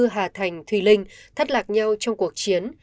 hà thành thùy linh thất lạc nhau trong cuộc chiến